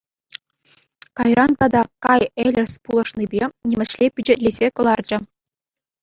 Кайран тата Кай Элерс пулӑшнипех нимӗҫле пичетлесе кӑларчӗ.